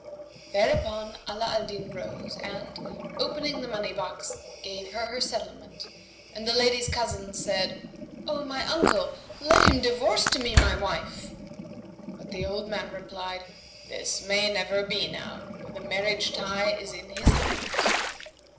Thereupon Ala al Din rose and, opening the money box, gave her her settlement and the lady's cousin said, "O my uncle, let him divorce to me my wife;" but the old man replied, "This may never be now; for the marriage tie is in his hand."